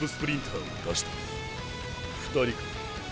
２人か。